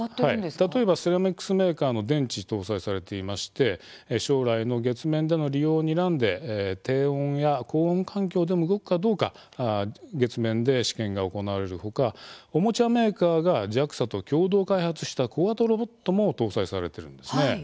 例えばセラミックスメーカーの電池搭載されていまして将来の月面での利用をにらんで低温や高温環境でも動くかどうか月面で試験が行われる他おもちゃメーカーがＪＡＸＡと共同開発した小型ロボットも搭載されているんですね。